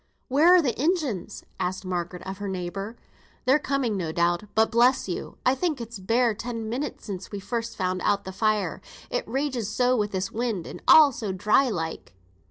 "Where are the engines?" asked Margaret of her neighbour. "They're coming, no doubt; but, bless you, I think it's bare ten minutes since we first found out th' fire; it rages so wi' this wind, and all so dry like."